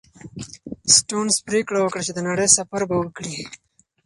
سټيونز پرېکړه وکړه چې د نړۍ سفر به وکړي.